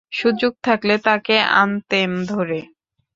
সুযোগ থাকলে তাকে আনতেম ধরে।